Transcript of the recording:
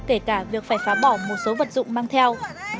kể cả việc phải phá bỏ một số vật dụng mang theo